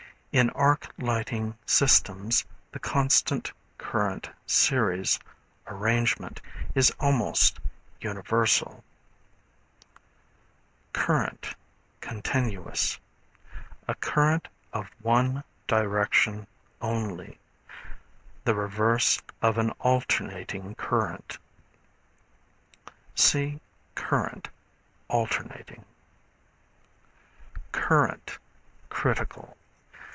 In arc lighting systems, the constant current series arrangement is almost universal. 161 STANDARD ELECTRICAL DICTIONARY. Current, Continuous. A current of one direction only; the reverse of an alternating current. (See Current, Alternating.) Current, Critical.